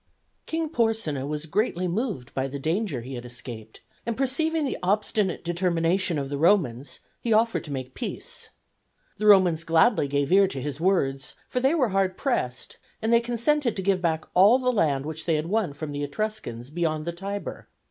King Porsenna was greatly moved by the danger he had escaped, and perceiving the obstinate determination of the Romans, he offered to make peace. The Romans gladly gave ear to his words, for they were hard pressed, and they consented to give back all the land which they had won from the Etruscans beyond the Tiber.